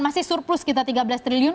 masih surplus kita tiga belas triliun